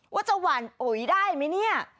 ว่าจะหวั่นอุ๋ยได้ไหมเนี่ย